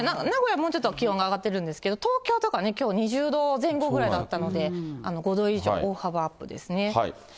もうちょっと気温が上がってるんですけど、東京とかはきょう、２０度前後ぐらいだったので、５度以上、大幅アップですね。